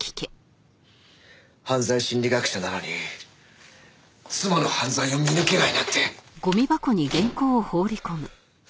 犯罪心理学者なのに妻の犯罪を見抜けないなんて。